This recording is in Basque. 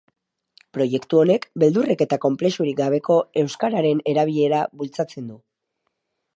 Proiektu honek beldurrik eta konplexurik gabeko euskararen erabilera bultzatzen du.